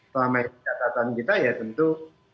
selama ini catatan kita ya tentu